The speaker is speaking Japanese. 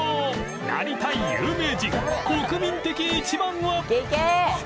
なりたい有名人国民的１番は